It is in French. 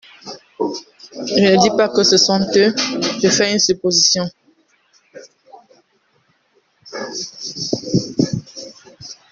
Je ne dis pas que ce sont eux, je fais une supposition.